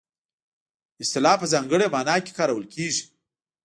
اصطلاح په ځانګړې مانا کې کارول کیږي